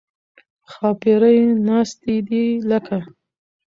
ښاپېرۍ ناستې دي لکه